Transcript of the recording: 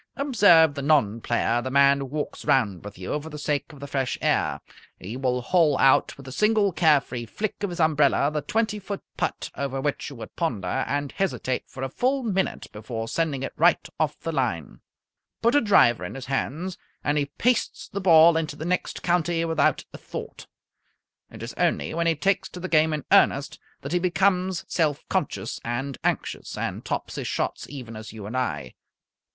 Observe the non player, the man who walks round with you for the sake of the fresh air. He will hole out with a single care free flick of his umbrella the twenty foot putt over which you would ponder and hesitate for a full minute before sending it right off the line. Put a driver in his hands and he pastes the ball into the next county without a thought. It is only when he takes to the game in earnest that he becomes self conscious and anxious, and tops his shots even as you and I.